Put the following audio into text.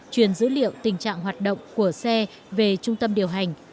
truyền dữ liệu tình trạng hoạt động của xe về trung tâm điều hành